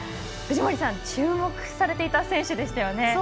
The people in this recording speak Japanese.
藤森さん、注目されていた選手でしたよね。